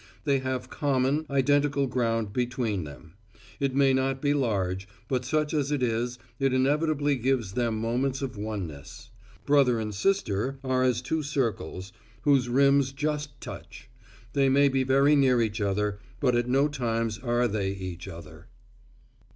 They have common, identical ground between them. It may not be large, but such as it is it inevitably gives them moments of oneness. Brother and sister are as two circles, whose rims just touch. They may be very near each other, but at no time are they each other.